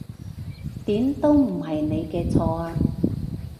點都唔係你嘅錯呀